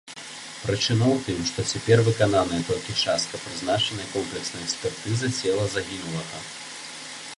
Прычына ў тым, што цяпер выкананая толькі частка прызначанай комплекснай экспертызы цела загінулага.